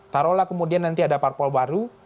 taruhlah kemudian nanti ada parpol baru